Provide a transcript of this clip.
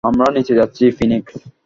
আমরা নিচে যাচ্ছি, ফিনিক্স।